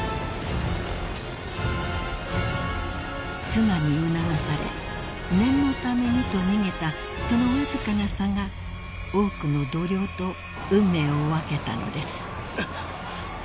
［妻に促され念のためにと逃げたそのわずかな差が多くの同僚と運命を分けたのです］